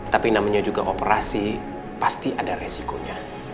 tapi namanya juga operasi pasti ada resikonya